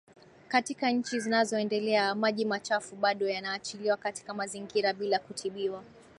Katika nchi zinazoendelea maji machafu bado yanaachiliwa katika mazingira bila kutibiwa